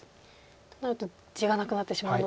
となると地がなくなってしまうのでトビは。